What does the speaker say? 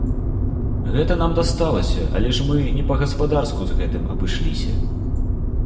Гэта нам дасталася, але ж мы не па-гаспадарску з гэтым абышліся.